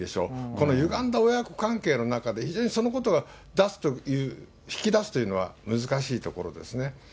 このゆがんだ親子関係の中で、非常にそのことを出すという、引き出すというのは難しいところですね。